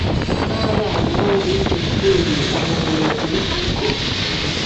n abarimu b iryo shuri Umuyobozi w ikigo